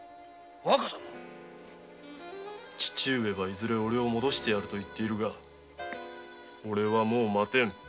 若様父上はいずれおれを戻してやると言っているがおれはもう待てん。